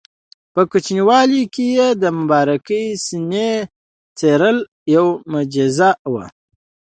په کوچنیوالي کې یې د مبارکې سینې څیرل یوه معجزه وه.